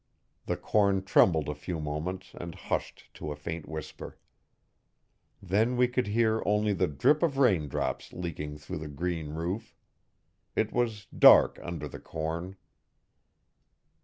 The corn trembled a few moments and hushed to a faint whisper. Then we could hear only the drip of raindrops leaking through the green roof. It was dark under the corn.